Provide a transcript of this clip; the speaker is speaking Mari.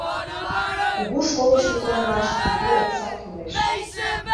Кугу школышто тунемаш кугу окса кӱлеш.